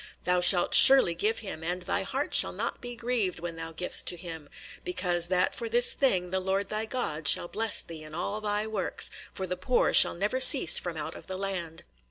Thou shalt surely give him; and thy heart shall not be grieved when thou givest to him, because that for this thing the Lord thy God shall bless thee in all thy works; for the poor shall never cease from out of the land."